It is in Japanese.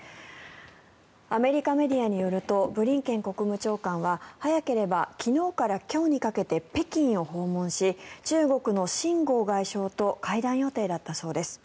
アメリカメディアによるとブリンケン国務長官は早ければ昨日から今日にかけて北京を訪問し中国の秦剛外相と会談予定だったそうです。